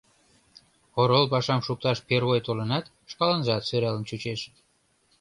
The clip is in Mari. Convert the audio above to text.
Орол пашам шукташ первой толынат, шкаланжат сӧралын чучеш.